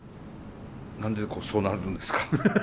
何でそうなるんですか？